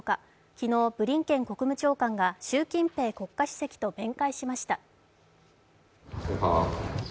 昨日、ブリンケン国務長官が習近平国家主席と面会しました。